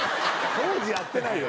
当時やってないよ。